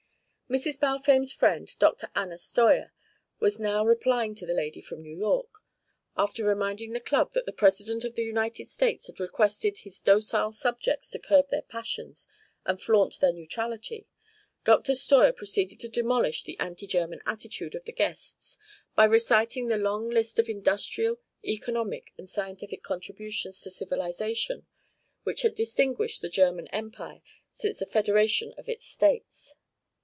Mrs. Balfame's friend, Dr. Anna Steuer, was now replying to the lady from New York. After reminding the Club that the President of the United States had requested his docile subjects to curb their passions and flaunt their neutrality, Dr. Steuer proceeded to demolish the anti German attitude of the guests by reciting the long list of industrial, economic and scientific contributions to civilisation which had distinguished the German Empire since the federation of its states.